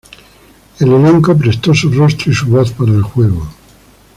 El elenco prestó su rostro y su voz para el juego.